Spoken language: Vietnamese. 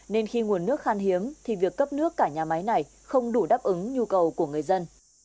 nên khi nguồn nước khan hiếm thì việc cấp nước cả nhà máy này không đủ đáp ứng nhu cầu của người dân